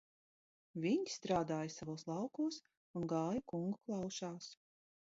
Viņi strādāja savos laukos un gāja kungu klaušās.